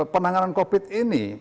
penanganan covid ini